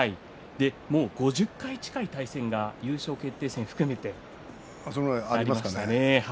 ５０回近い対戦が優勝決定戦も含めてありましたね。